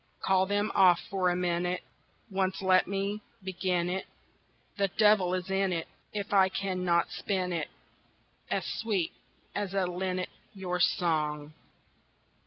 Call them off for a minute, Once let me begin it The devil is in it If I can not spin it As sweet as a linnet, your song!